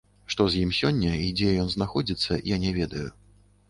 Што з ім сёння і дзе ён знаходзіцца, я не ведаю.